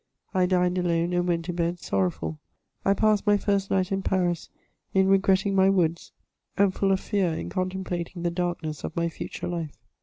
I dined alone and went to bed sorrowful. I passed my first night in Paris in regretting my woods, and full of fear in contemplating the darkness of my future life.